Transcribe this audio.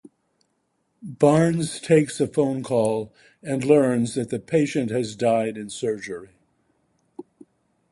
Barnes takes a phone call and learns that the patient has died in surgery.